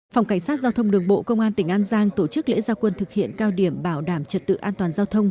phòng cảnh sát giao thông đường bộ công an tỉnh an giang tổ chức lễ gia quân thực hiện cao điểm bảo đảm trật tự an toàn giao thông